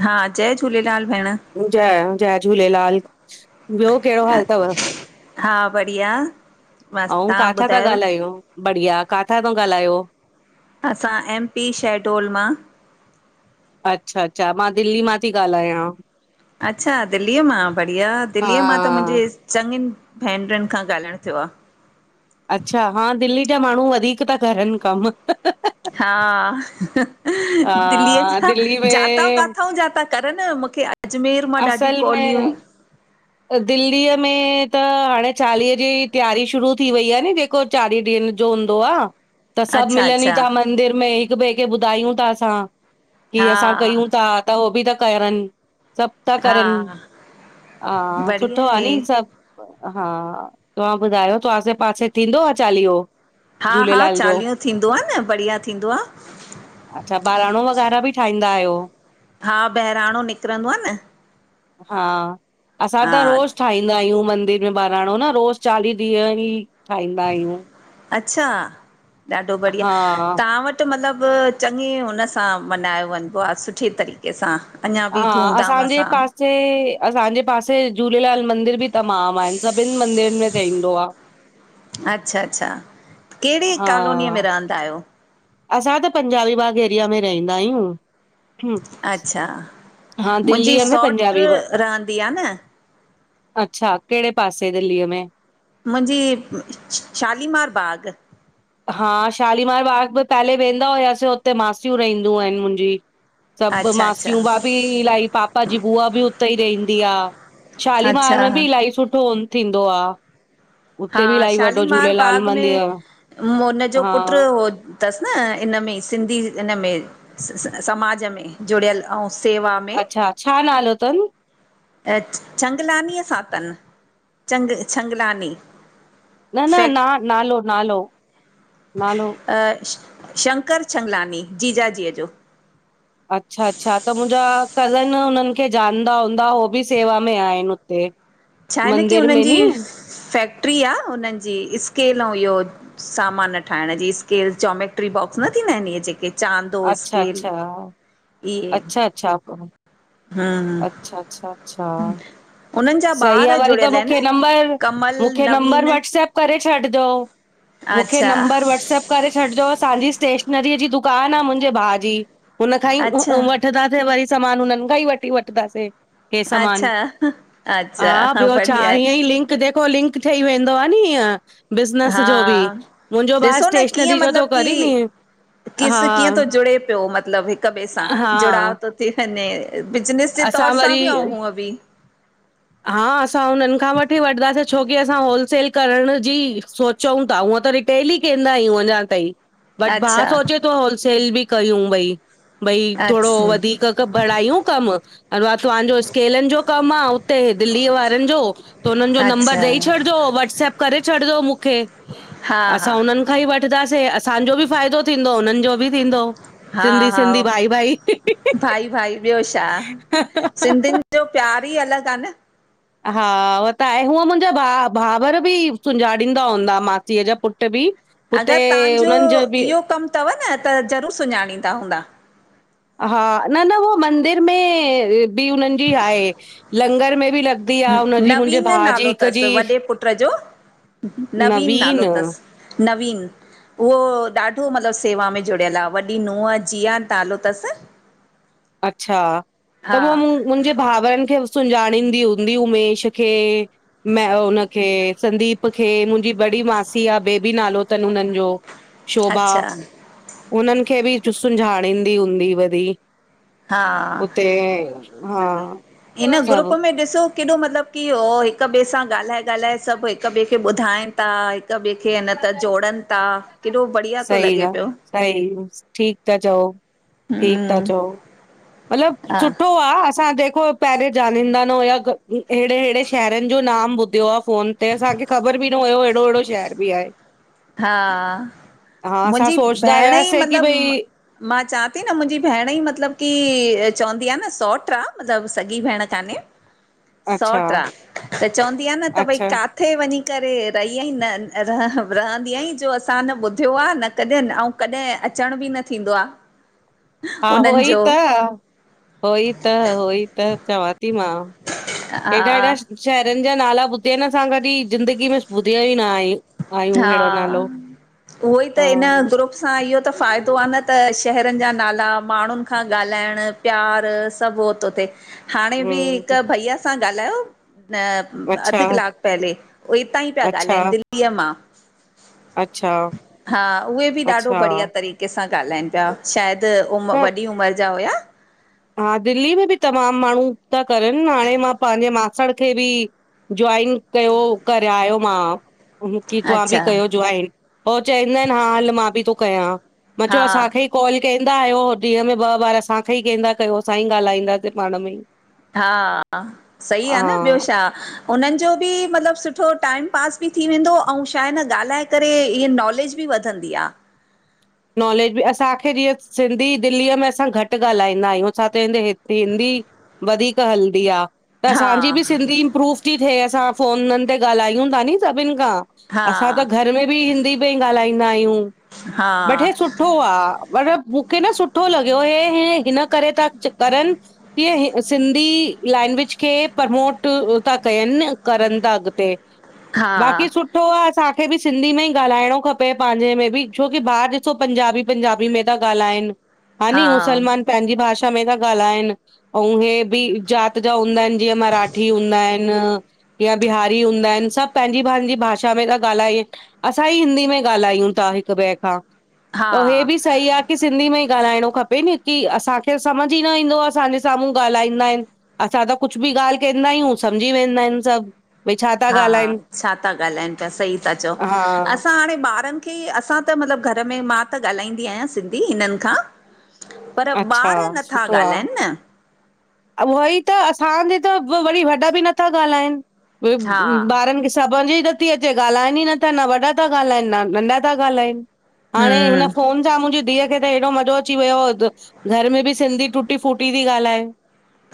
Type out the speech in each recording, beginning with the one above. हा जय झूलेलाल भेण। जय- जय झूलेलाल, ॿियो कहिड़ो हालु तव? हा बढ़िया। बसि अउं तव्हां काथां ता ॿुधायो ॻाल्हायूं, बढ़िया काथां ता ॻाल्हायो? असां एम पी शहडोल मां। अच्छा -अच्छा मां दिल्ली मां ती ॻाल्हायां। अच्छा दिल्लीअ मां बढ़िया हा दिल्लीअ मां त मुंहिंजे चङीनि भेनरुनि खां ॻाल्हाइणु थियो आ। अच्छा हा दिल्ली जा माण्हू वधीक ता करनि कम। हा, दिल्ली हा, जा दिल्ली जातां में काथाऊं जा ता करन मूंखे अजमेर मां ॾाढी असल कॉलियूं में दिल्लीअ में त हाणे चालीहे जी तैयारी शुरू थी वई आ नी जेक को चालीह ॾींहंनि जो हूंदो आ, त सभु अच्छा मिलनि ई अच्छा था मंदिर में हिक ॿिए खे ॿुधायूं था असां। की हा असां कयूं था त हो बि ता करन। सभु ता हा करनि, हा सुठो बढ़िया आ आहे नी सभु हा, तव्हां ॿुधायो तो आसे पासे थींदो आ चालीहो? हा हा, झूलेलाल जो? चालीहो थींदो आ न बढ़िया थींदो आ। अच्छा ॿहिराणो वग़ैरह बि ठाहींदा आहियो? हा बहिराणों निकिरंदो आ न। हा असां त हा रोज़् ‌‌ ठाहींदा आहियूं मंदिर में बहिराणो न रोज़ चालीह ॾींहं ही। अच्छा, ॾाढो बढ़िया हा तहां वटि वटु मतिलबु चङे हुन सां मन्हायो वंञिंबो आ सुठे तरीक़े। के सां अञां बि धूम -धाम सां। जे, असांजे पासे झूलेलाल मंदिर बि तमामु आहिनि सभिनि मंदरनि में ठईंदो आ। अच्छा- अच्छा कहिड़ी हा कॉलोनीअ में रहंदा आहियो? असां त पंजाबी बाग एरिया में रहिंदा आहियूं। अच्छा हा मुंजी दिल्लीअ में पंजाबी सौट्रि बाग रहंदी आ न। अच्छा, केड़े पासे दिल्लीअ में? मुंजी शालीमार बाग। हा शालीमार बाग में पहले वेंदा हुयासीं, हुते मासियूं रहंदियूं आहिनि मुंहिंजी। सभु अच्छा अच्छा मासियूं भाभी इलाही, पापा जी बुआ बि उतेई रहिंदी आ। शालीमार अच्छा में बि इलाही सुठो थींदो आ। हा उते बि इल्हाई वड्डो झूलेलाल मंदिर आ। म हुनजो पुट्रु हो अथसि न इन में सिंधी इन में समाज में। जुड़ियल, अंउं सेवा में। अच्छा छा नालो तन? चंगलानीअ सां तनि चंग छंगलानी। न न फैक न नालो- नालो- नालो। अ श शंकर छंगलानी जीजाजीअ जो। अच्छा- अच्छा त मुंजा कज़न हुननि खे जानदा हूंदा हो बि सेवा में आहिन हुत ते छा आहे न की मंदिर हुननि में नी। जी फैक्ट्री आ उन्हनि जी स्केल अंउं इह्यो सामान ठाहिंण जी, स्केल जोमेट्री बॉक्स न थींदा हिनि इह्ये जेके। चांदो, अच्छा स्केल। अच्छा इहे अच्छा- अच्छा -अच्छा- हम्म अच्छा -अच्छा। उन्हनि जा सही आ ॿार वरी त जुड़ियल मुखे आहिनि नंबर, कमल मुखे नंबर नवीन व्हाट्सप्प करे छडि जो मुखे अच्छा नंबर व्हटसप्प। करे छॾिजो, असांजी स्टेशनरीअ जी दुकानु आ मुंजे भाउ जी हुनखांई वठ अच्छा - - वठिदासे वरी सामान हुनन खांई वठी वठिदासे - - अच्छा हा - - हा अच्छा ॿियो छा, हिअंई लिंक जेको लिंक ठही वेंदो आ नी हीअं। बिज़नेस हा जो बि, मुंजो भाउ ॾिसो न कीअं स्टेशनरी जो तो मतिलब करी नी की - - किस कीअं तो जुड़े पियो मतिलब हिक ॿिए सां हा जुड़ाव तो - - थी वंञें, बिजिनेस जे तौर असां सां वरी बि अंउं हुंअ बि - - हा असां हुनन खां वठी वठिदासीं छोकी असां होलसेल करण जी सोच - - चऊं ता हूअं त रिटेल ई केंदा आहियूं अञां ताईं बट भा अच्छा सोचे तो होलसेल बि कयूं ॿई। भई थोडो अच्छा वधीक क बणायूं कमु अ व तव्हांजो स्केलनि जो कमु आ ओ दिल्लीअ वारनि जो, त हुननि जो अच्छा नंम्बरु ॾेई छॾजो वाट्सप करे छॾिजो मूंखे। हा हा असां उननि खां ई वठंदासीं असांजो बि फ़ाइदो थींदो उननि जो बि थींदो। हा सिंधी हा सिंधी भाई भाई भाई भाई ॿियो छा। सिंधिनि जो प्यार ई अलॻि आ न। हा उह त आहे हूअ मुंहिंजा भा भावर बि सुञाणींदा हूंदा मासीअ जा पुट बि - - अगर तहांजो इहो कमु तव न त ज़रूरु सुञाणींदा हूंदा। हा न न उह मंदिर में बि हुननि जी आहे, लंगर में बि ल नवीन नालो तस वॾे पुट जो, नवीन नालो तस। नवीन। उहो ॾाढो मतिलबु सेवा में जुड़ियल आ, वॾी नूंहं जीआ नालो तस अच्छा त मो मूं मुंहिंजे भावरनु खे सुञाणींदी हूंदी उमेश खे म हुनखे संदीप खे मुंहिंजी बड़ी मासी आ ॿेबी नालो तनि हुननि जो शोभा अच्छा हुननि खे बि सुंझाणींदी हूंदी वरी। हा, हुते हा इन ग्रुप सभु में ॾिसो केॾो मतिलबु की हो हिकु ॿेए सां ॻाल्हाए ॻाल्हाए सभु हिकु ॿिए खे ॿुधाइन ता हिकु ॿिए खे न त जोड़न ता केॾो बढ़िया तो लॻे पियो। सई हूस ठीकु ता चओ। ठीक था हूं चओ मतिलबु सुठो आ असां ॼेको पहिरे जानींदा न हुया अहिड़े अहिड़े शहरनु जो नाम ॿुधियो आ फोनु ते असांखे ख़बर बि न हुयो अहिड़ो अहिड़ो शहर बि आहे। हा हा असां मुंहिंजी सोचदा भेण ई हुआसीं की मतिलबु भई मां चां ती न मुंहिंजी भेण ई मतिलबु की चवंदी आ न सौट आ मतिलबु सॻी भेण कान्हे - - - [inaudible] सौट आ त चवंदी आ न त भई अच्छा का थे वञी करे रही आई न रह रहंदी आहीं जो असां न ॿुधियो आ न कॾहिं अऊं कॾहिं अचणु बि न थींदो आ। - - - [inaudible] हा हो उन्हनि ई जो त, हो ई त, हो ई त चवां ती मां। हा एॾा एॾा शहरनु जा नाला ॿुधिया आहिन असां कॾी ज़िंदगी में ॿुधियो ई न आय हा उहो ई त हा हिन ग्रुप असां इहो त फ़ाइदो आ न त शहरन जा नाला माण्हुन खां ॻाल्हाइणु प्यार सभु हो तो थे हाणे बि हम्म हिकु भईया सां ॻाल्हायो न अच्छा, अधु कलाकु पहले, उ हितां ई पिया अच्छा, ॻाल्हाइन दिल्ली दिल्लीअ मां, अच्छा, हा उहे बि ॾाढो बढ़िया अच्छा, तरी कंहिंसां ॻाल्हाइनि पिया, शायदि उमिर त वॾी उमिरि जा हुया। हा दिल्ली में बि तमामु माण्हू, ता करनि हाणे मां पांजे मासण खे बि जॉइन कयो करयायो मां की तव्हां बि अच्छा कयो जोइन पो चवंदा आहिन हा हल मां बि थो कयां। मां हा चयो असांखे ई कॉल कंदा आयो ॾींहं में ॿ बार असांखे ई कदा कयो असां ई ॻाल्हाईंदासीं पाण में ई। हा हा सही आ न हा। ॿियो छा? हुनन जो बि मतलब सुठो टाइम पास बि थी वेंदो ऐं छा आहे न ॻाल्हाए करे इअ नॉलेज बि वधंदी आ। नॉलेज बि असांखे जीअं सिंधी दिल्लीअ में असां घट ॻाल्हाईंदा आहियूं छा त हिन हि हिंदी वधीक हलदी आ। त हा असांजी बि सिंधी इम्प्रूव थी थिए असां फ़ोनन ते ॻाल्हायूं था नी सभिन खां। हा असां त घर में बि हिंदी में ई ॻाल्हाईंदा आहियूं। हा बटे सुठो आ, पर मुखे न सुठो लॻयो हे हिन करे था करन कीअं सिंधी लैंग्वेज खे प्रमोट था कयन करन था अॻते। बाक़ी हा सुठो आ, असांखे बि सिंधी में ई ॻाल्हाइणो खपे पांजे में बि छो बाहर ॾिसो पंजाबी-पंजाबी में था ॻाल्हाइन हा मुसलमान पंहिंजी भाषा में था ॻाल्हाइन। आऊं हे बि जात जा हूंदा आहिन जीअं मराठी हूंदा आहिन। यां बिहारी हूंदा आहिन सभ पंहिंजी पंहिंजी भाषा में था ॻाल्हाइन। असां ई हिंदी में ॻाल्हायूं था हिक ॿिए खां त हे हा बि सही आ की सिंधी में ई ॻाल्हाइणो खपे नी की असांखे सम्झ ई न ईंदो आ, असांजे साम्हूं ॻाल्हाईंदा आहिन। असां त कुछ बि ॻाल्ह कंदा आहियूं सम्झी वेंदा आहिन सभ। हा छा था ॻाल्हाइन पया सही था चओ हा असां हाणे ॿारन की असां त मतलब घर में मां त ॻाल्हाईंदी आहियां सिंधी हिनन खां पर अच्छा ॿार नथा ॻाल्हाइन न उहई त असांजे त वरी वॾा बि नथा ॻाल्हाइन। ई हा ॿारन खे स ई त अचे ॻालाइन ही न था न वडा त ॻालाइन न नंढा था ॻालाइन हाणे हिन हम्म फो छा मुंहिंजी धीउ खे त हेॾो मज़ो अची वियो घर में बि सिंधी टुटी फूटी थी ॻाल्हाए।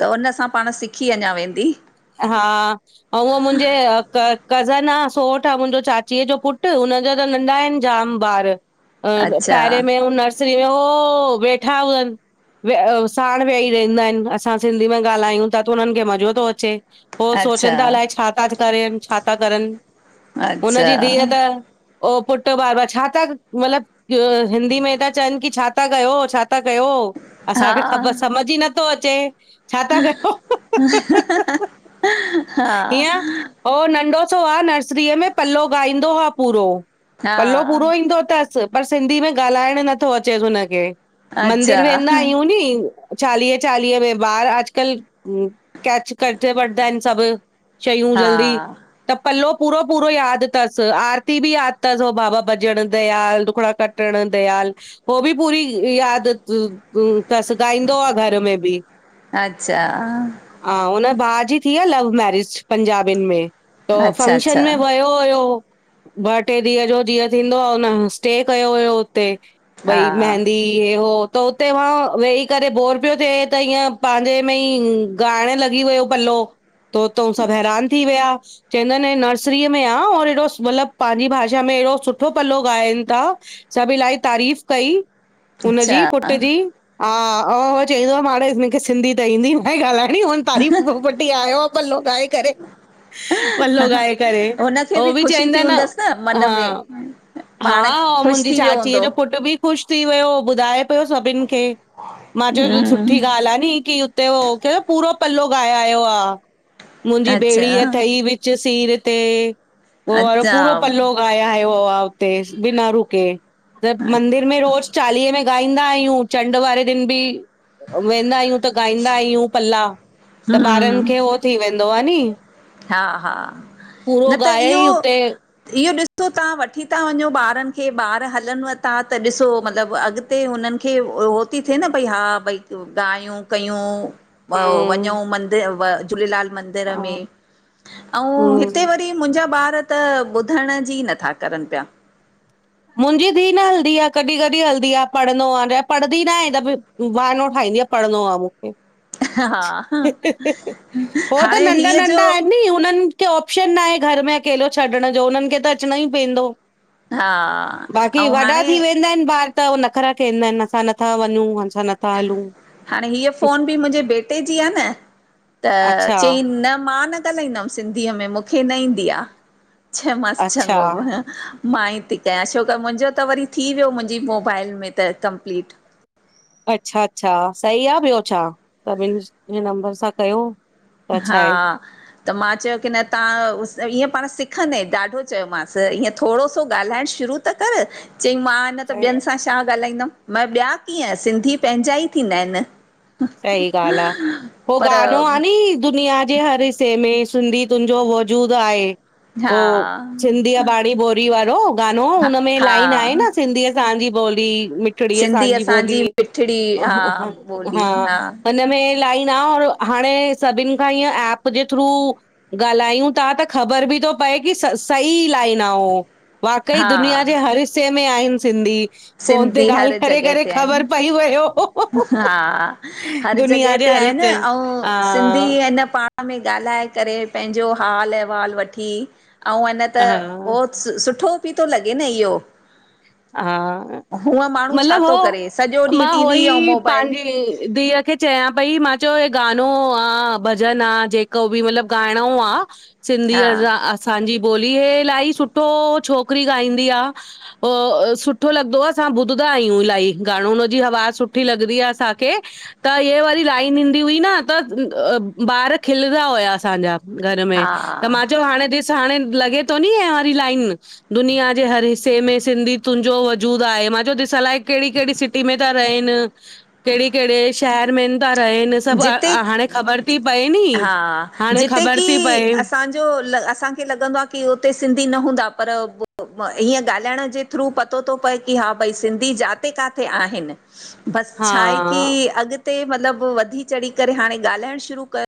त उनसां पाण सिखी अञा वेंदी। हा अउ हो मुंजे अ कर कज़न आहे सोठ आ मुंजो चाचीअ जो पुट हुनजा त नंढा आहिन जाम ॿार। अ अच्छा पहिरे में उ नर्स वेठा हुजन साण वेयाी रहंदा आहिन असां सिंधी में ॻाल्हायूं था त हुनन खे मज़ो थो अचे ओ अच्छा सोचन था अलाए छा था करे छा था करन हुन अच्छा जी धीअ त ओ पुट ॿार बार छा था मतलब हिंदी में था चवन कि छा था कयो छा था कयो? हा असांखे ख़बर सम्झ ई नथो अचे। छा था कयो हिन ओ नंढो सो आ नर्सरीअ में पल्लव गाईंदो आ पूरो हा पल्लव पूरो ईंदो थस। पर सिंधी में ॻाल्हाइण नथो अचेस हुनखे अच्छा मंदिर वेंदा आयूं नी। चालीहे चालीहे में ॿार अॼकल्ह कैच करे वठंदा आहिन सभ शयूं हा जल्दी। त पलो पूरो पूरो याद थस आरती बि याद थस हो बाबा बजण दयाल दुखड़ा कट प्ण दयाल हो बि पूरी याद तस ॻाईंदो आ घर में बि। अच्छा हा, हुनजे भाउ जी थी आ लव मैरिज पंजाबीन में। त अच्छा फंक्शन अच्छा में वयो हुयो। ॿ टे ॾींहं जो जीअं थींदो आह।, हुन स्टे कयो हुयो हुते। हा भई मेहदी, इ हो त हुते वेही करे बोर पियो थिए त ईअं पांजे में ई ॻाइण लॻी वियो पल्लो, त सभु हैरान थी विया। चवंदा आहिन नर्सरीअ में आ और एड़ो मतलबु पंहिंजी भाषा में एड़ो सुठो पल्लो ॻाइनि था सभु इलाही तारीफ़ कई। अच्छा हुनजी पुट जी हा हा उह चईंदो आ, माड़े मूंखे सिंधी त ईंदी न आहे ॻाल्हाइणी, हुन तारीफ़ वटी आयो आहे पल्लो ॻाए करे। पल्लो गाए करे, हुनखे उह बि ख़ुशी थी चंइंदा न हूंदसि मन हां में पाण हा, अंउ ख़ुशि मुंजी थी वियो चाचीअ हूंदो जो पुटु बि ख़ुश थी वियो, ॿुधाए पियो सभिन खे, मां चयो हम्म सुठी ॻाल्हि आ। कि उते हो क पूरो पल्लो ॻाए आयो आ, मुंहिंजी अच्छा ॿेड़ी अथई व च सीर ते, उहो वारो अच्छा पूरो पल्लो आया ह हुते बिना रुके त हम्म मंदिर में रोज चालीहे में गाई इंदा आहियूं, चंड वारे दिन बि वेंदा आहियूं। त ॻाईंदा आहियूं पल्ला त ॿारनि खे उहो थी वेंदो आ नी। हा- हा, पूरो न त ॻाए इयो ई हुते इहो ॾिसो तहां वठी था वंञो ॿारनि खे, ॿार हलन था त ॾिसो मतिलबु अॻिते हुनन खे उहो थी थिए न भई हा भई ॻायूं कयूं। अ वंञू हम्म मंद झूलेलाल मंदिर हा में। अंउ हिते हम्म वरी मुंहिंजा ॿार त ॿुधण जी नथा करन पिया। मुंजी धीउ न हलदी आहे, कॾि कॾि हलदी आहे, पढ़ंनो आहे यां पढ़दी न आहे त बहानो ठाहींदी आ पढ़नो आ मूंखे। हा हो त हाणे नंढा हीअ जो नंढा आहिन नी, हुनन के ऑप्शन ना आहे घर में अकेलो छॾण जो, उन्हनि खे त अचणो ई पइंदो। हा बाक़ी ऐं वॾा थी हाणे वेंदा आहिन ॿार त उ नखरा कंदा आहिन, असां नथा वञूं, असां नथा हलूं। हाणे हीअ फोन बि मुंहिंजे बेटे जी आ न, त अच्छा चई न मां न न ॻालदमि सिंधीअ में, मूंखे न ईंदी आ, चयोमांस अच्छा चङो मां ई थी कयां छोकि मुंहिंजो त वरी थी वियो मुंहिंजी मोबाइल में त कंप्लीट। अच्छा- अच्छा, सही आ, ॿियो छा सभिन जे नंबर सां कयो। त छा हा आहे त मां चयो कि न तहां ईअं पाण सिखंदे, ॾाढो चयोमांसि ईअं। थोङो सो ॻाल्हाइण शुरू त कर, चंई मां मां न, त ॿियनि सां छा ॻाल्हाईंदमि, मां चयो ॿिया कीअं, सिंधी पंहिंजा ई थींदा आहिन। सही ॻाल आ, हो गानो आ नी, दुुनिया जे हर हिस्से में सिंधी तुंहिंजो वजूदु आहें। हो हा सिंधी बाणी बोरी वारो गानो, हा हुनमें लाइन आहें हा न सिंधीअ सांजी बोली, मिठड़ी सिंधी असांजी बोली, मिठड़ी हा ॿोली हां। हा हिननमें लाइन आ और हाणे सभिन खां इंअ एप जे थ्रू ॻाल्हायूं था त ख़बर बि थो पए कि सही लाइन आ उहो। वाकई हा दुनिया जे हर हिस्से में आहिन सिंधी। फोन ते सिंधी ॻाल्हि हर करे जॻह करे ते ख़बर आहिन। पई वियो हां हर दुनिया जॻहे जे ते हर आहिनि हिस्से हा अऊं सिंधी ऐन पाण में ॻाल्हाए करे पंहिंजो हालु अहिवालु वठी अऊं अञा त हा ओ सुठो भी तो लॻे न इहो। हा हूअं माण्हू छा मतिलब थो हो करे सॼो ॾींहुं मां हो टीवी ऐं ई मोबाइल पांजी धीअ खे चयां पई मां चओ हे गानो आ भॼन आ जेको बि मतिलबु गाइणो आ सिंधी हा असांजी ॿोली हे इलाही सुठो छोकिरी ॻाईंदी आ। हो ओ सुठो लगदो असां ॿुधदा आहियूं इलाही, गानो उन जी अवाज़ सुठी लगदी आ असां खे। त इए वरी लाइन ईंदी हुई न, त ॿार खिलदा हुया असां जा। घर में हा त मां चयो हाणे ॾिस हाणे लगे तो न हे वारी लाइन, दुनिया जे हर हिसे में सिंधी तुंहिंजो वजूद आहे। मां चयो ॾिस अलाए कहिड़ी कहिड़ी सिटी में था रहिनि। कहिड़े -कहिड़े शहर में इन। ता रहिन सभु जिते हाणे ख़बर थी पए नी, हाणे ख़बर थी पए त जो असांखे लॻंदो आ की हुते सिंधी न हूंदा पर हीअं ॻाल्हाइण जे थ्रू पतो थो पए की हा भई सिंधी जाते काथे आहिन। बसि छा आहे हा की अॻिते मतलबु वधी चढ़ी करे हाणे ॻाल्हाइण शुरू करु।